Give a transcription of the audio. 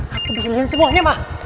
aku bikin semuanya ma